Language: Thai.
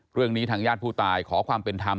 เรื่องนี้ทางญาติผู้ตายขอความเป็นธรรม